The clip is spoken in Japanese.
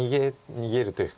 逃げるというか。